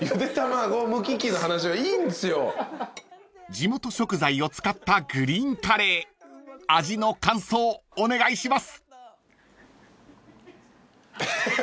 ［地元食材を使ったグリーンカレー味の感想お願いします］